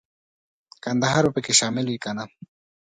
کندهار به پکې شامل وي کنه.